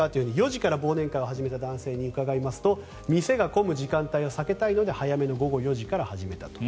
４時から忘年会を始めた男性に伺いますと店が混む時間帯を避けたいので早めの午後４時から始めたと。